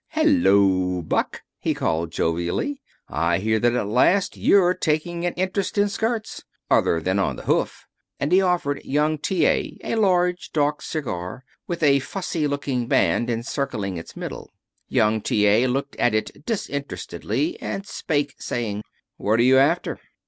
"Hel lo Buck!" he called jovially. "I hear that at last you're taking an interest in skirts other than on the hoof." And he offered young T. A. a large, dark cigar with a fussy looking band encircling its middle. Young T. A. looked at it disinterestedly, and spake, saying: "What are you after?"